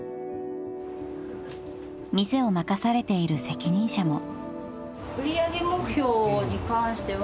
［店を任されている責任者も］